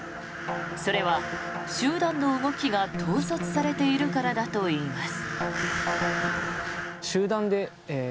それは、集団の動きが統率されているからだといいます。